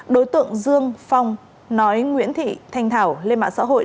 đối tượng dương phong nói nguyễn thị thanh thảo lên mạng xã hội